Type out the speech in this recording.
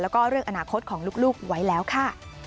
แล้วก็เรื่องอนาคตของลูกไว้แล้วค่ะ